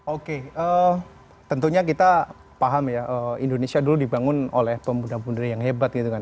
oke tentunya kita paham ya indonesia dulu dibangun oleh pemuda pemuda yang hebat gitu kan